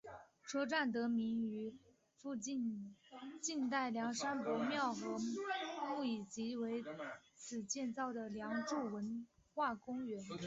车站得名于附近晋代梁山伯庙和墓以及为此建造的梁祝文化公园。